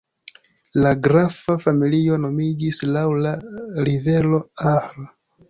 La grafa familio nomiĝis laŭ la rivero Ahr.